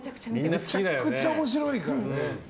めちゃくちゃ面白いからね。